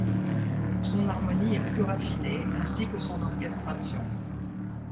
Son harmonie est plus raffinée, ainsi que son orchestration.